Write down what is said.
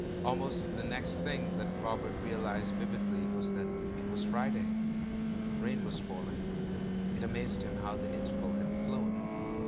Almost the next thing that Robert realised vividly was that it was Friday. Rain was falling. It amazed him how the interval had flown.